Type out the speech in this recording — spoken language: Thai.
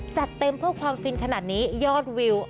จัดเต็มเพื่อความฟินขนาดนี้ยอดวิว